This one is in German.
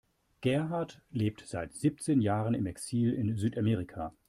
Gerhard lebt seit siebzehn Jahren im Exil in Südamerika.